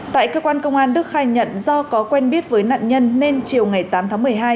tại cơ quan công an đức khai nhận do có quen biết với nạn nhân nên chiều ngày tám tháng một mươi hai